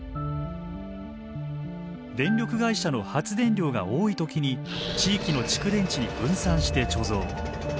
電力会社の発電量が多い時に地域の蓄電池に分散して貯蔵。